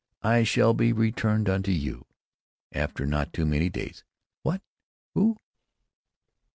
It shall be returned unto you—after not too many days.... What?... Who?...